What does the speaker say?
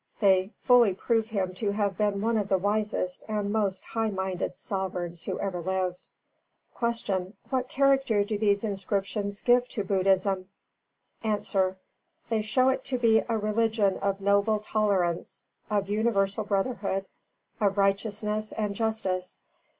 They fully prove him to have been one of the wisest and most high minded sovereigns who ever lived. 29.5. Q. What character do these inscriptions give to Buddhism? A. They show it to be a religion of noble tolerance, of universal brotherhood, of righteousness and justice.